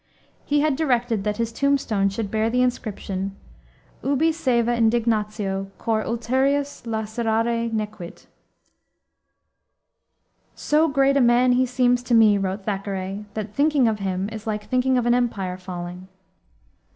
He had directed that his tombstone should bear the inscription, Ubi saeva indignatio cor ulterius lacerare nequit. "So great a man he seems to me," wrote Thackeray, "that thinking of him is like thinking of an empire falling."